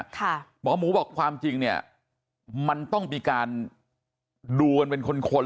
หมอหมูบอกความจริงเนี่ยมันต้องมีการดูกันเป็นคนคน